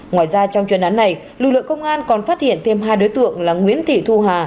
ngoài ra trong chuyên án này lực lượng công an còn phát hiện thêm hai đối tượng là nguyễn thị thu hà